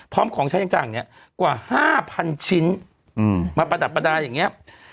พร้อมของชายจังกว่า๕๐๐๐ชิ้นมาปฎับประดาษอย่างนี้